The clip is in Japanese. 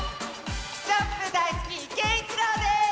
ジャンプだいすきけいいちろうです！